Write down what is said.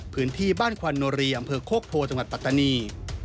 พื้นที่บ้านควันโนรีอำเภอโคกโพจังหวัดปัตตานี